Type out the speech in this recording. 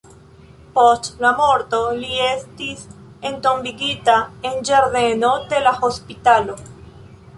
Post la morto li estis entombigita en ĝardeno de la hospitalo.